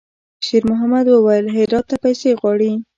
شېرمحمد وويل: «هرات ته پیسې غواړي.»